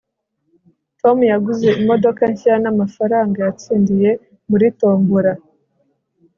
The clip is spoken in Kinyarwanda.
tom yaguze imodoka nshya n'amafaranga yatsindiye muri tombora